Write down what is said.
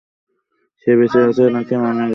সে বেঁচে আছে নাকি মারা গেছে, আমাকে সবকিছু জানতে হবে।